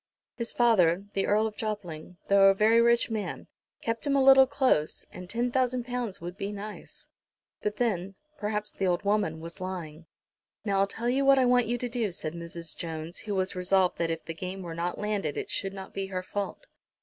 His father, the Earl of Jopling, though a very rich man, kept him a little close, and ten thousand pounds would be nice. But then, perhaps the old woman was lying. "Now I'll tell you what I want you to do," said Mrs. Jones, who was resolved that if the game were not landed it should not be her fault.